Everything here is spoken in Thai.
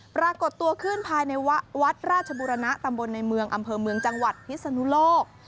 ปรากฏตัวขึ้นภายในวัดราชบุรณะตำบลในเมืองอำเภอเมืองจังหวัดพิศนุโลก